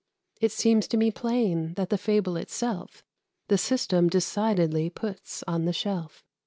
It seems to me plain that the fable itself The system decidedly puts on the shelf.